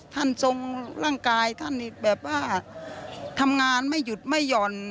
ทรงร่างกายท่านอีกแบบว่าทำงานไม่หยุดไม่หย่อน